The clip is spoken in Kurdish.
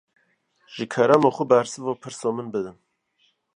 Ji kerema xwe, bersiva pirsa min bidin